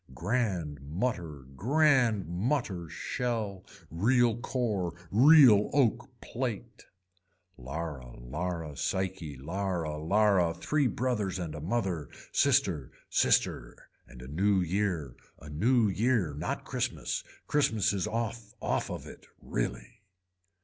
Grand mutter grand mutter shell, real core, real oak plate. Lara Lara Psyche, Lara Lara three brothers and a mother, sister sister and a new year a new year not christmas, christmas is off off of it. Really.